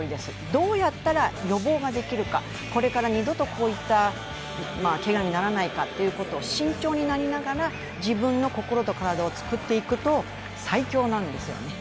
どうやったら予防ができるか、これから二度とこういったけがにならないかということを慎重になりながら、自分の心と体をつくっていくと最強なんですよね。